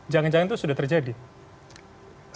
jangan jangan itu sudah terjadi